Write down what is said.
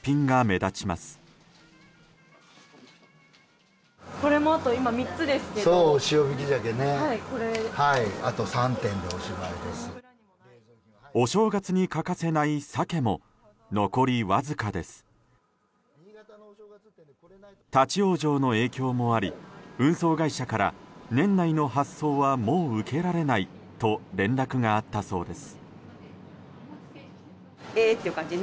立ち往生の影響もあり運送会社から年内の発送はもう受けられないと連絡があったそうです。